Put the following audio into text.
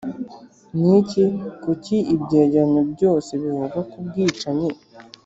ni iki: kuki ibyegeranyo byose bivuga ku bwicanyi